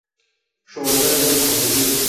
ښوونځی موږ پوهوي